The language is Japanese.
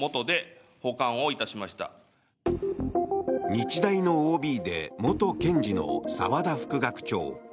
日大のＯＢで元検事の澤田副学長。